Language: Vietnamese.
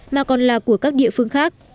mà còn là của các địa phương khác